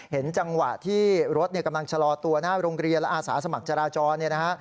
เห็นจังหวะที่รถกำลังชะลอตัวหน้าโรงเรียนและอาสาสมัครจราจรเนี่ยนะฮะ